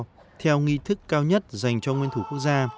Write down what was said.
tổng bí thư nguyễn phú trọng là tổng thống cao nhất dành cho nguyên thủ quốc gia